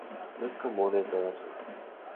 No es común en toda su gama.